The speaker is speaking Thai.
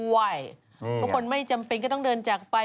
ทุกคนไม่จำเป็นก็ต้องเดินจากไป